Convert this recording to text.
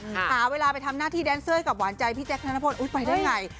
หาเวลาไปทำหน้าที่แดนเซอร์ให้กับหวานใจพี่แจ๊คธนพลไปได้ไง